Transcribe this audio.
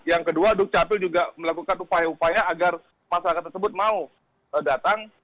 yang kedua dukcapil juga melakukan upaya upaya agar masyarakat tersebut mau datang